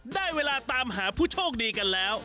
ได้เวลาตามหาผู้โชคดีกันแล้ว